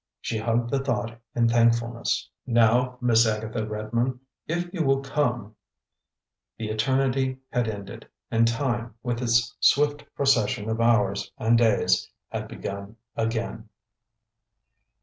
She hugged the thought in thankfulness. "Now, Miss Agatha Redmond, if you will come " The eternity had ended; and time, with its swift procession of hours and days, had begun again.